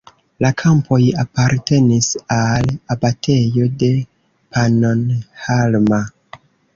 La kampoj apartenis al abatejo de Pannonhalma.